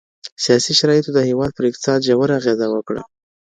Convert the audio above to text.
سياسي شرايطو د هيواد پر اقتصاد ژوره اغيزه وکړه.